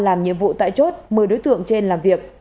làm nhiệm vụ tại chốt một mươi đối tượng trên làm việc